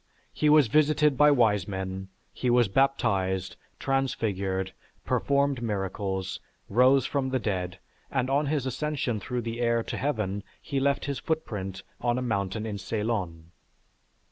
He was visited by wise men, he was baptized, transfigured, performed miracles, rose from the dead, and on his ascension through the air to heaven, he left his footprint on a mountain in Ceylon.